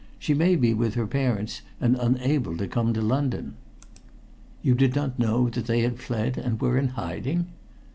She may be with her parents, and unable to come to London." "You did not know that they had fled, and were in hiding?"